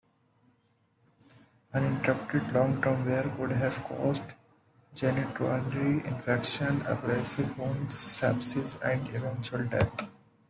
Uninterrupted long-term wear could have caused genitourinary infection, abrasive wounds, sepsis and eventual death.